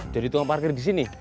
jadi tunggu parkir di sini